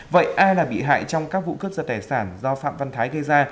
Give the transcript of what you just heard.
vậy ai là bị hại trong các vụ cấp dật tài sản do phạm văn thái gây ra